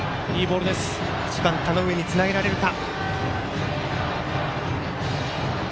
１番田上につなげられるか。